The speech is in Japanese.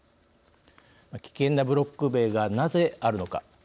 危険なブロック塀がなぜあるのか。